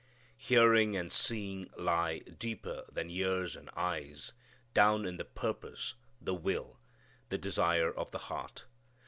Hearing and seeing lie deeper than ears and eyes, down in the purpose, the will, the desire of the heart.